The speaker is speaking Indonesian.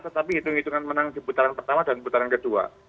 tetapi hitung hitungan menang di putaran pertama dan putaran kedua